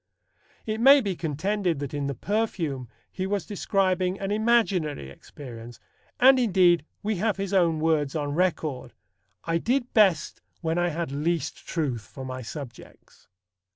It may be contended that in The Perfume he was describing an imaginary experience, and indeed we have his own words on record: "I did best when I had least truth for my subjects."